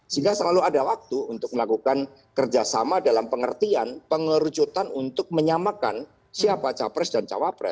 sehingga selalu ada waktu untuk melakukan kerjasama dalam pengertian pengerucutan untuk menyamakan siapa capres dan cawapres